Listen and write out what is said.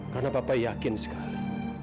karena pak yakin sekali